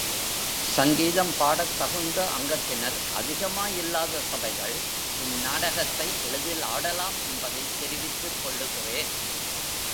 சங்கீதம் பாடத் தகுந்த அங்கத்தினர் அதிகமாயில்லாத சபைகள் இந்நாடகத்தை எளிதில் ஆடலாம் என்பதைத் தெரிவித்துக் கொள்ளுகிறேன்.